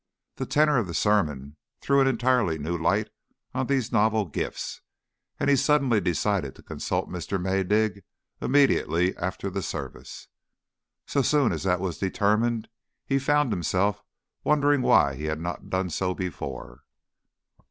The tenor of the sermon threw an entirely new light on these novel gifts, and he suddenly decided to consult Mr. Maydig immediately after the service. So soon as that was determined, he found himself wondering why he had not done so before.